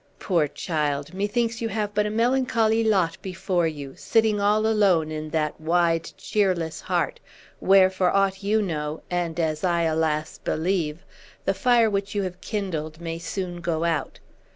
Poor child! Methinks you have but a melancholy lot before you, sitting all alone in that wide, cheerless heart, where, for aught you know, and as I, alas! believe, the fire which you have kindled may soon go out.